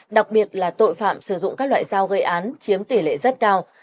đặc biệt là tội phạm sử dụng các loại dao gây án chiếm tỷ lệ rất cao